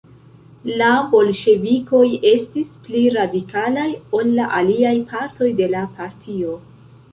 La bolŝevikoj estis pli radikalaj ol la aliaj partoj de la partio.